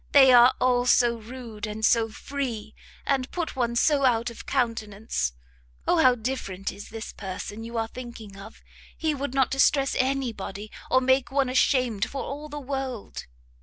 They are all so rude, and so free, and put one so out of countenance, O how different is this person you are thinking of! he would not distress anybody, or make one ashamed for all the world!